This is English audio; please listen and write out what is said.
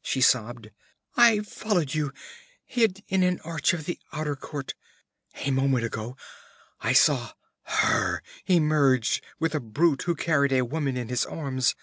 she sobbed. 'I followed you hid in an arch of the outer court. A moment ago I saw her emerge with a brute who carried a woman in his arms.